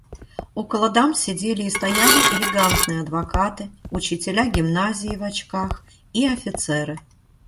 Около дам сидели и стояли элегантные адвокаты, учителя гимназии в очках и офицеры.